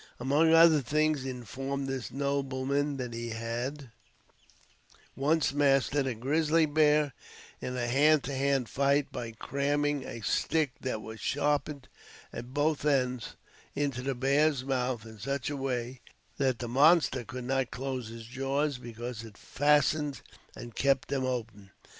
Among other things, he informed this nobleman that he had once mastered a grizzly bear in a hand to hand fight by cramming a stick that was sharpened at both ends into the bear's mouth in such a way that the monster could not close his jaws, because it fastened and kept them open.